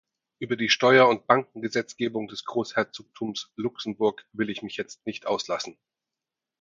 Über die Steuer- und Bankengesetzgebung des Großherzogtums Luxemburg will ich mich jetzt nicht auslassen.